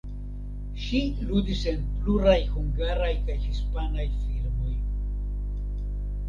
Ŝi ludis en pluraj hungaraj kaj hispanaj filmoj.